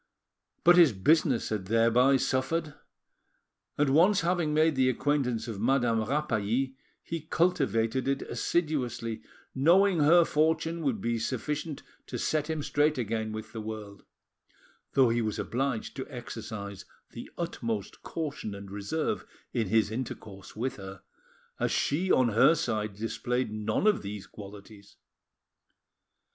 But his business had thereby suffered, and once having made the acquaintance of Madame Rapally, he cultivated it assiduously, knowing her fortune would be sufficient to set him straight again with the world, though he was obliged to exercise the utmost caution and reserve in has intercourse with her, as she on her side displayed none of these qualities.